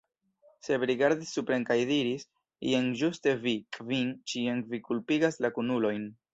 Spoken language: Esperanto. Sep rigardis supren kaj diris: "Jen ĝuste vi, Kvin; ĉiam vi kulpigas la kunulojn."